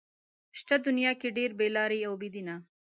شته دنيا کې ډېر بې لارې او بې دينه